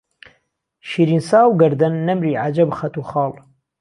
شیرینسا و گهردهن، نهمری، عهجهب خهت و خاڵ